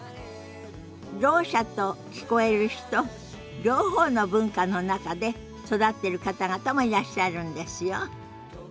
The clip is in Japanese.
ろう者と聞こえる人両方の文化の中で育ってる方々もいらっしゃるんですよ。